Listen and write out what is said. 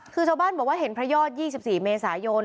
คือชาวบ้านบอกว่าเห็นพระยอด๒๔เมษายน